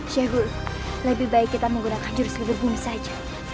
syahgur lebih baik kita menggunakan jurus leder bumi saja